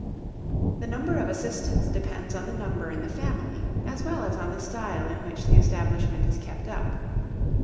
The number of assistants depends on the number in the family, as well as on the style in which the establishment is kept up.